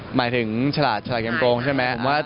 หมายถึงฉลาดฉลาดเกมโกงใช่ไหม